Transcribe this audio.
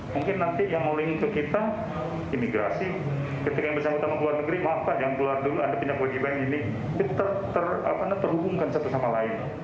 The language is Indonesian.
mungkin nanti yang mau link ke kita imigrasi ketika yang bersama sama keluar negeri maafkan yang keluar dulu ada pindah wajiban ini terhubungkan satu sama lain